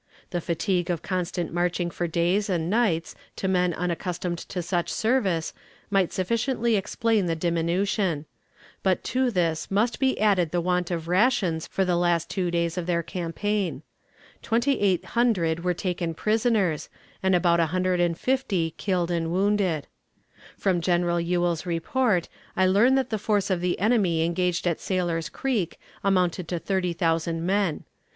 The fatigue of constant marching for days and nights to men unaccustomed to such service might sufficiently explain the diminution; but to this must be added the want of rations for the last two days of their campaign. Twenty eight hundred were taken prisoners, and about a hundred and fifty killed and wounded. From General Ewell's report, I learn that the force of the enemy engaged at Sailor's Creek amounted to thirty thousand men.